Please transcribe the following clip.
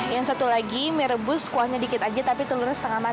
yang satu lagi mie rebus kuahnya sedikit aja tapi telurnya sedikit